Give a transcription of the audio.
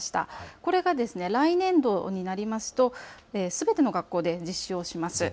これが来年度になりますとすべての学校で実施をします。